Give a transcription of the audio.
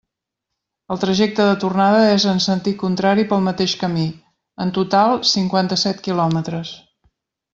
El trajecte de tornada és en sentit contrari pel mateix camí, en total cinquanta-set quilòmetres.